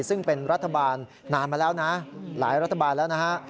ซึ่งเป็นรัฐบาลนานมาแล้วนะหลายรัฐบาลแล้วนะฮะ